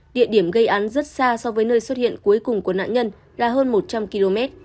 địa điểm gây án rất xa so với nơi xuất hiện cuối cùng của nạn nhân là hơn một trăm linh km